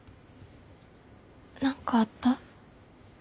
何かあった？